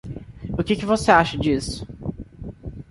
O que que você acha disso?